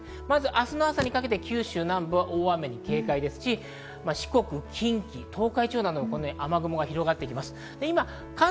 明日の朝にかけて九州南部は大雨に警戒が必要ですし、四国、近畿、東海地方などは雨雲が広がっていきます。